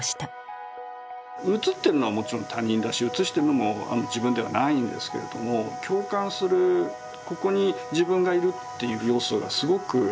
写ってるのはもちろん他人だし写してるのも自分ではないんですけれども共感するここに自分がいるっていう要素がすごく強くある。